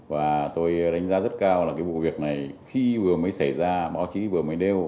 và tôi đánh giá rất cao là cái vụ việc này khi vừa mới xảy ra báo chí vừa mới đeo